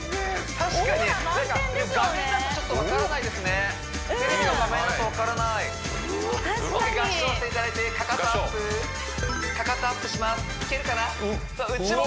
確かになんか画面だとちょっと分からないですねテレビの画面だと分からないＯＫ合掌していただいてかかとアップかかとアップしますいけるかな内もも